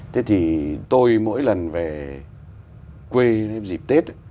thế thì tôi mỗi lần về quê dịp tết